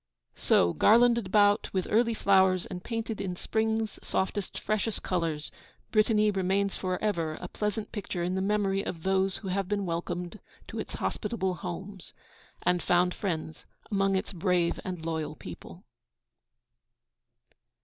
So, garlanded about with early flowers and painted in spring's softest, freshest colours, Brittany remains for ever a pleasant picture in the memory of those who have been welcomed to its hospitable homes, and found friends among its brave and loyal people.